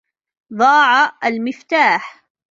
ضَاعَ الْمِفْتَاحُ.